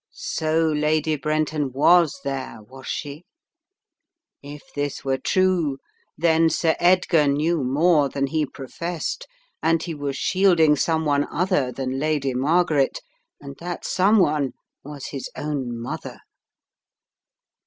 So Lady Bren ton was there, was she? If this were true, then Sir Edgar knew more than he professed, and he was shielding someone other than Lady Margaret — and that someone was his own mother!